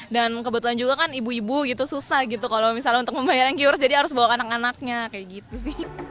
dan kebetulan juga kan ibu ibu gitu susah gitu kalau misalnya untuk membayar yang kioris jadi harus bawa anak anaknya kayak gitu sih